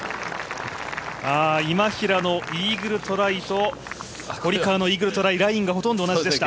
今平のイーグルトライと堀川のイーグルトライ、ラインがほとんど同じでした。